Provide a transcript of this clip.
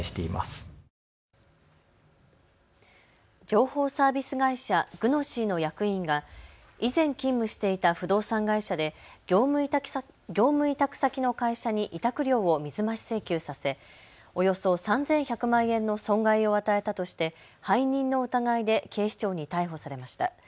情報サービス会社、グノシーの役員が以前勤務していた不動産会社で業務委託先の会社に委託料を水増し請求させ、およそ３１００万円の損害を与えたとして背任の疑いで警視庁に逮捕されました。